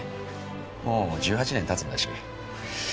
もう１８年経つんだし。